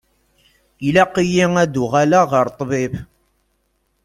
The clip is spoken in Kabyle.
Ilaq-iyi ad uɣaleɣ ɣer ṭṭbib.